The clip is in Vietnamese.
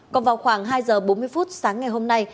còn vào khoảng hai giờ bốn mươi phút sáng ngày hôm nay